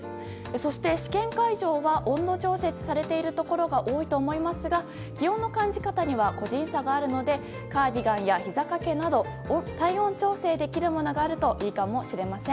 そして、試験会場は温度調節されているところが多いと思いますが気温の感じ方には個人差があるのでカーディガンやひざ掛けなど体温調節できるものがあるといいかもしれません。